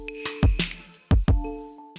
ditunggu ya pak